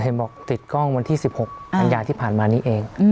บอกติดกล้องวันที่๑๖กันยาที่ผ่านมานี้เอง